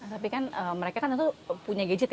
tapi kan mereka punya gadget ya